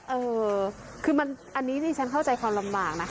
เออคือมันอันนี้ที่ฉันเข้าใจความลำบากนะคะ